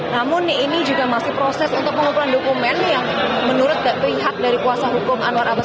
namun ini juga masih proses untuk pengumpulan dokumen yang menurut pihak dari kuasa hukum anwar abbas